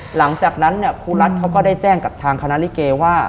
หลังจากนั้นเนี่ยครูรัฐเขาก็ได้แจ้งกับทางคณะลิเกว่า